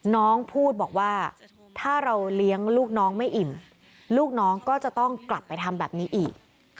น้องพูดบอกว่าถ้าเราเลี้ยงลูกน้องไม่อิ่มลูกน้องก็จะต้องกลับไปทำแบบนี้อีก